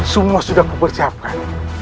semua sudah kupersiapkan